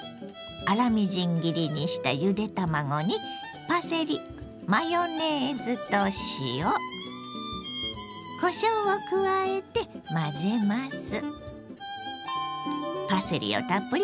粗みじん切りにしたゆで卵にパセリマヨネーズと塩こしょうを加えて混ぜます。